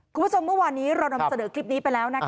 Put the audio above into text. คุณผู้ชมเมื่อวานนี้เรานำเสนอคลิปนี้ไปแล้ว